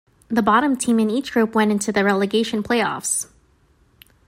The bottom team in each group went into the relegation play-offs.